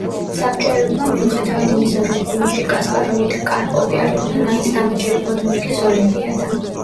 საბჭოელებმა მიუხედავად იმისა, რომ გუნდში კასპაროვი და კარპოვი არ იყვნენ, მაინც დამაჯერებლად მოიგეს ოლიმპიადა.